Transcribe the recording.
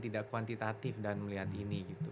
tidak kuantitatif dan melihat ini gitu